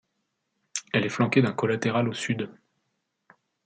Elle est flanquée d'un collatéral au sud.